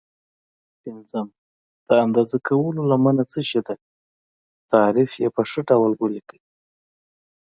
پنځم: د اندازه کولو لمنه څه شي ده؟ تعریف یې په ښه ډول ولیکئ.